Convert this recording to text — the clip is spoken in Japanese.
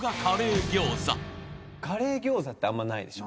カレー餃子ってあんまないでしょ？